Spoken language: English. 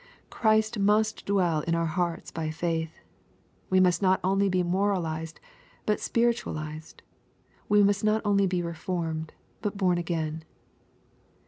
Christ must dwell in our hearts by faiih. We must not only be moralized, but spiritualized. We must not only be reformed, but born again.